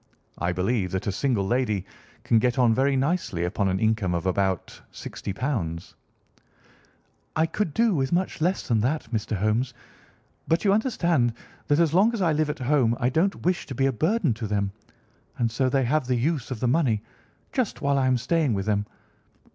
I believe that a single lady can get on very nicely upon an income of about £ 60." "I could do with much less than that, Mr. Holmes, but you understand that as long as I live at home I don't wish to be a burden to them, and so they have the use of the money just while I am staying with them.